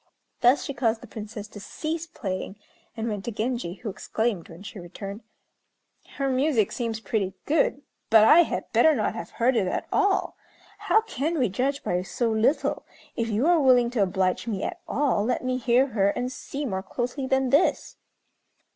Thus she caused the Princess to cease playing, and went to Genji, who exclaimed, when she returned, "Her music seems pretty good; but I had better not have heard it at all. How can we judge by so little? If you are willing to oblige me at all, let me hear and see more closely than this."